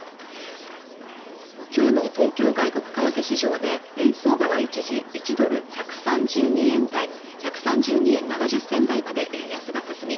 きょうの東京外国為替市場で円相場は一時１ドル＝１３２円７０銭台まで円安が進み